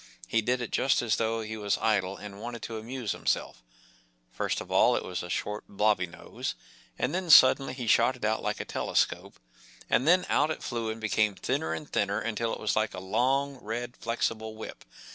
He did it just as though he was idle and wanted to amuse himself First of all it was a short, biobby nose, and then suddenly he shot it out like a telescope, and then out it flew and became thinner and thinner until it was like a long, red, flexible whip.